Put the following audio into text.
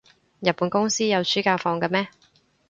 日本公司有暑假放嘅咩？